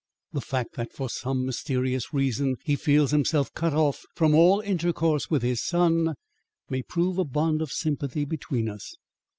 The fact that for some mysterious reason he feels himself cut off from all intercourse with his son, may prove a bond of sympathy between us.